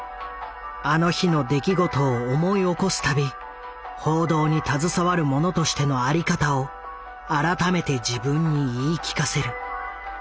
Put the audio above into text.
あの日の出来事を思い起こすたび報道に携わる者としての在り方を改めて自分に言い聞かせる。